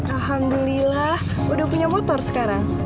alhamdulillah udah punya motor sekarang